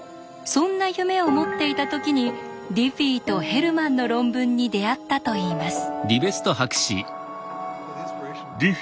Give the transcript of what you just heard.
そんな夢を持っていた時にディフィーとヘルマンの論文に出会ったといいます。